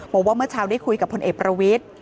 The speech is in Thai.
บอกว่าเมื่อเช้าได้คุยกับพลเอกประวิทธิ์